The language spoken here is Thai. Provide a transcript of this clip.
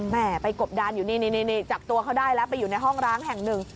แม่ไปกบดานอยู่นี่จับตัวเขาได้แล้วไปอยู่ในห้องร้างแห่งหนึ่ง